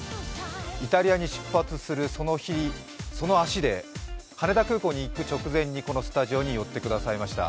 イタリアに出発するその日、その足で羽田空港に行く直前にこのスタジオに寄ってくれました。